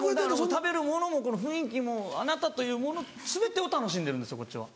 食べるものもこの雰囲気もあなたというもの全てを楽しんでるんですよこっちは。